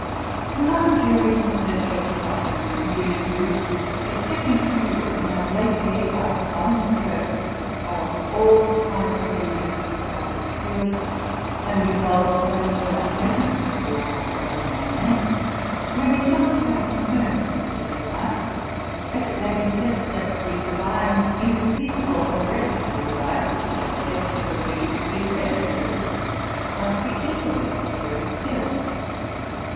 The nonjuring clergy of Scotland, indeed, who, excepting a few, have lately, by a sudden stroke, cut off all ties of allegiance to the house of Stuart, and resolved to pray for our present lawful Sovereign by name, may be thought to have confirmed this remark; as it may be said, that the divine indefeasible hereditary right which they professed to believe, if ever true, must be equally true still.